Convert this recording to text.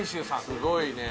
すごいね。